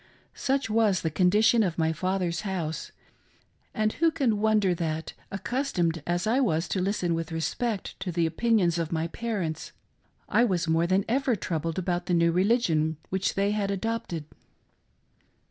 Such was the condition of my father's house ; and who can wonder that, accustomed as I was to listen with respect to the opinions of my parents, I was more than ever troubled about the new re ligion which they had adopted.